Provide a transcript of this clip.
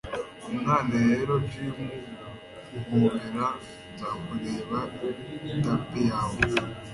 Umwana rero gimme guhobera Nzakubera itapi yawe